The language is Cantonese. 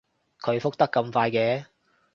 佢覆得咁快嘅